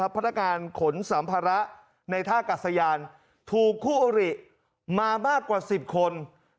พนักงานขนสัมภาระในท่ากัดสยานถูกคู่อริมามากกว่า๑๐คน